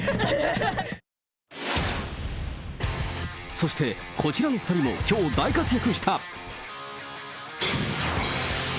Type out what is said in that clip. そしてこちらの２人も、きょう大活躍した。